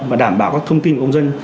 và đảm bảo các thông tin của công dân